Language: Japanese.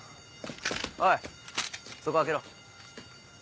おいそこ空けろ。